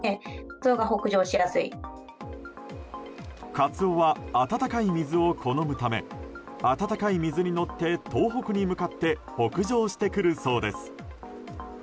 カツオは暖かい水を好むため暖かい水に乗って東北に向かって北上してくるそうです。